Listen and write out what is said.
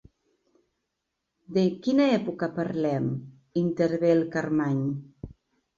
De quina època parlem? —intervé el Carmany.